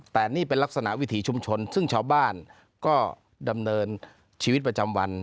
แต่นี่เป็นลักษณะวิถีชุมชนซึ่งชาวบ้านก็ดำเนินชีวิตประจำวัน